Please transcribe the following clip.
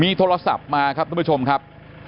โทรศัพท์มาครับทุกผู้ชมครับ